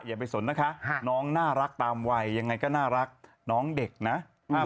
อย่าไปสนนะคะน้องน่ารักตามวัยยังไงก็น่ารักน้องเด็กนะ